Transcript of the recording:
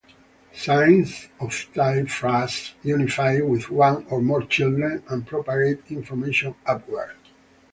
Signs of type "phrase" unify with one or more children and propagate information upward.